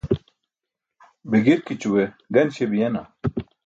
Be girkićue gan śebiyena?